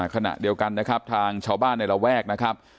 ขณะเดียวกันนะครับทางชาวบ้านในระแวกนะครับ